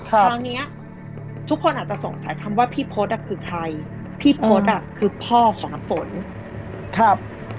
ครั้งเนี้ยทุกคนอาจจะสงสัยคำว่าพี่พศอ่ะคือใครพี่พศอ่ะคือพ่อของน้ำฝนครับ